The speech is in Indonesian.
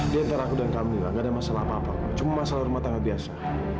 dia ntar aku dan kamila nggak ada masalah apa apa cuma masalah rumah tangga biasa